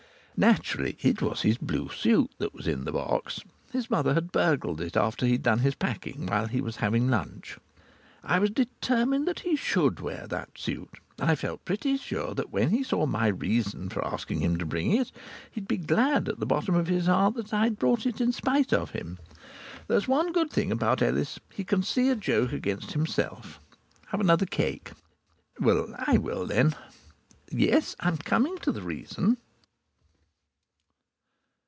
Naturally it was his blue suit that was in the box. His mother had burgled it after he'd done his packing, while he was having lunch. I was determined he should wear that suit. And I felt pretty sure that when he saw my reason for asking him to bring it he'd be glad at the bottom of his heart that I'd brought it in spite of him. There is one good thing about Ellis he can see a joke against himself.... Have another cake. Well, I will, then.... Yes, I'm coming to the reason.